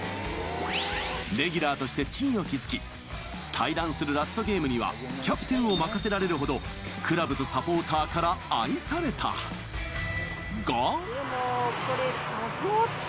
レギュラーとして地位を築き退団するラストゲームにはキャプテンを任せられるなどクラブとサポーターから愛されたが。